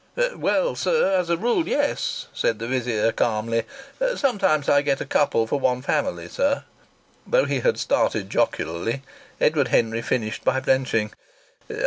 "Well, sir, as a rule, yes," said the vizier, calmly. "Sometimes I get a couple for one family, sir." Though he had started jocularly, Edward Henry finished by blenching.